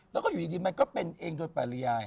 แล้วก็อยู่ดีมันก็เป็นเองโดยปริยาย